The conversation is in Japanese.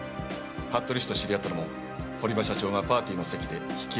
服部氏と知り合ったのも堀場社長がパーティーの席で引き合わせたのだとか。